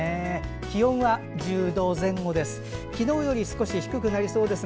気温は１０度前後です。